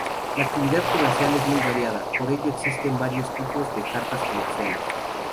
La actividad comercial es muy variada, por ello existen varios tipos de cartas comerciales.